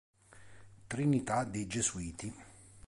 Trinità dei Gesuiti.